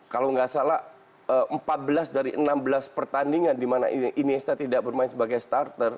kalau nggak salah empat belas dari enam belas pertandingan di mana iniesta tidak bermain sebagai starter